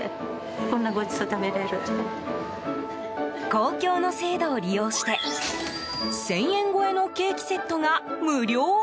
公共の制度を利用して１０００円超えのケーキセットが無料？